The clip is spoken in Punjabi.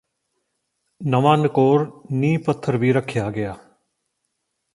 ਨਵਾਂ ਨਿਕੋਰ ਨੀਂਹ ਪੱਥਰ ਵੀ ਰੱਖਿਆ ਗਿਆ